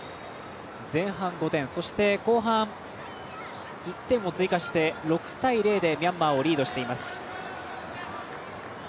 前半５点、後半１点を追加して６−０でミャンマーをリードしています。